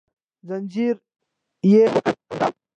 ځنځير يې وکړانګاوه